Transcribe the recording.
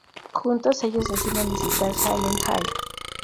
Juntos, ellos deciden visitar Silent Hill.